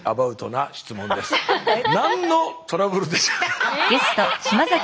何のトラブルでしょう？